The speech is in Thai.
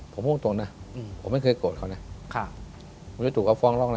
ผมพูดตรงนะผมไม่เคยโกรธเขานะ